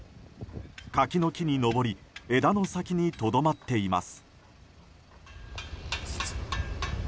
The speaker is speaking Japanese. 柿の木に登り枝の先にとどまっています。